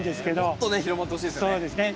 もっとね広まってほしいですよね。